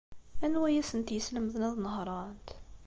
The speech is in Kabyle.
Anwa ay asent-yeslemden ad nehṛent?